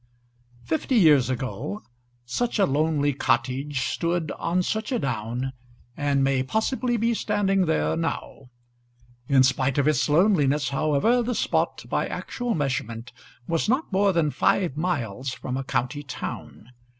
Fifty years ago such a lonely cottage stood on such a down, and may possibly be standing there now. In spite of its loneliness, however, the spot, by actual measurement, was not more than five miles from a county town.